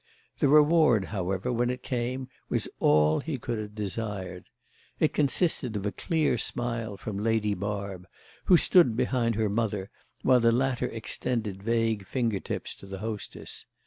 The reward, however, when it came, was all he could have desired. It consisted of a clear smile from Lady Barb, who stood behind her mother while the latter extended vague finger tips to the hostess.